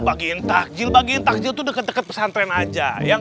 bagi takjil bagi takjil itu deket deket pesantren aja yang